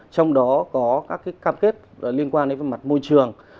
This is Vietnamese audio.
trong đó có các cam kết liên quan đến mặt môi trường